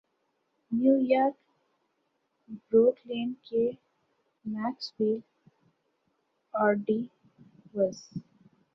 new York Brooklyn کے Maxwell آرڈی was